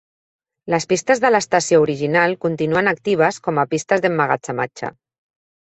Les pistes de l'estació original continuen actives com a pistes d'emmagatzematge.